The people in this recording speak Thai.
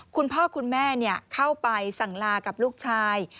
คุณพ่อคุณแม่เข้าไปสั่งลากับลูกชาย